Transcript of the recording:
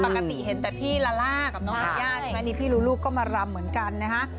ปกติเห็นแต่พี่ลาล่ากับน้องธัญญาใช่ไหมนี่พี่ลูลูก็มารำเหมือนกันนะฮะ